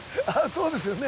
そうですよね。